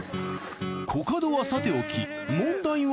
コカドはさておき問題は。